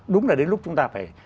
đúng là đến lúc chúng ta phải